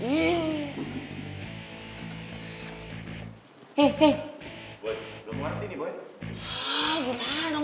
boy belum ngerti nih boy